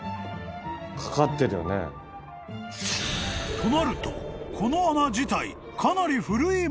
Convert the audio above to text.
［となるとこの穴自体］